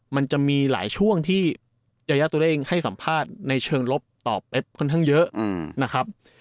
มันจะมีหลายช่วงที่ยายาตัวเองให้สัมภาษณ์ในเชิงลบต่อเป๊บค่อนข้างเยอะนะครับ